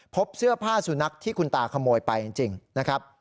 พบเสื้อผ้าสุนัขที่คุณตาขโมยไปจริงนะครับ